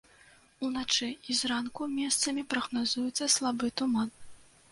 Уначы і зранку месцамі прагназуецца слабы туман.